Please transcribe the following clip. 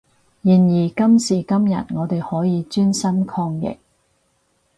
然而今時今日我哋可以專心抗疫